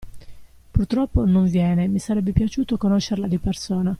Purtroppo non viene, mi sarebbe piaciuto conoscerla di persona.